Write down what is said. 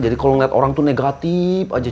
jadi kalau ngeliat orang tuh negatif aja